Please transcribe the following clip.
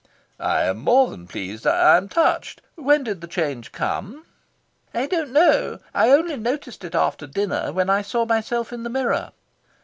"I am more than pleased. I am touched. When did the change come?" "I don't know. I only noticed it after dinner, when I saw myself in the mirror.